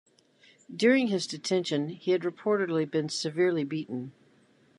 During his detention, he had reportedly been severely beaten.